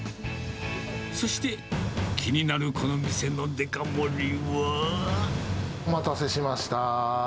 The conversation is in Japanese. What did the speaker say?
そして気になるこの店のデカ盛りお待たせしました。